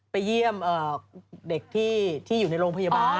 ไปเยี่ยมเด็กที่อยู่ในโรงพยาบาล